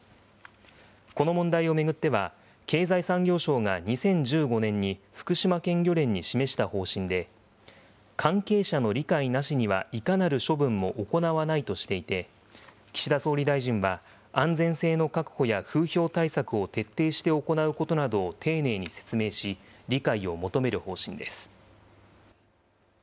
この問題を巡っては、経済産業省が２０１５年に福島県漁連に示した方針で、関係者の理解なしにはいかなる処分も行わないとしていて、岸田総理大臣は、安全性の確保や風評対策を徹底して行うことなどを丁寧に説明し、理解を求める方針です。